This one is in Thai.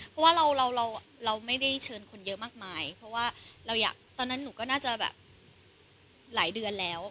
เพราะว่าเราเราไม่ได้เชิญคนเยอะมากมายเพราะว่าเราอยากตอนนั้นหนูก็น่าจะแบบหลายเดือนแล้ว